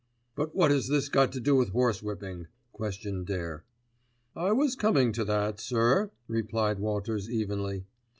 "But what has this got to do with horsewhipping?" questioned Dare. "I was coming to that, sir," replied Walters evenly.